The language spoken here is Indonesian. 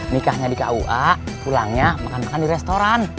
nikahnya di kua pulangnya makan makan di restoran